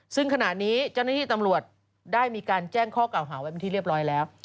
ซึ่งขณะนี้เจ้าหน้าที่ตำรวจได้มีการแจ้งข้อเก่าหาไว้เป็นที่เรียบร้อยแล้ว